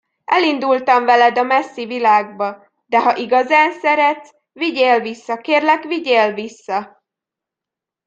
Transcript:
Elindultam veled a messzi világba, de ha igazán szeretsz, vigyél vissza, kérlek, vigyél vissza!